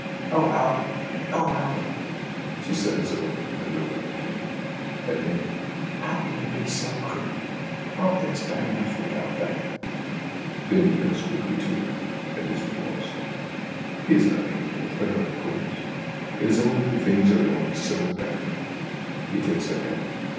"Oh, Albert! Oh, Albert !" she says, over and over again, and then :" How can you be so cruel ? Aren't things bad enough without that ?" Then he goes quickly to her, and is remorseful. He is not angry with her, of course. It is only that things are going so badly. He takes her hand.